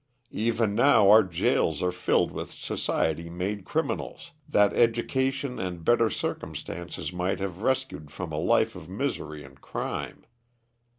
Even now our gaols are filled with society made criminals, that education and better circumstances might have rescued from a life of misery and crime.